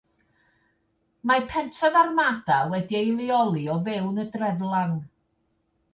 Mae pentref Armada wedi ei leoli o fewn y dreflan.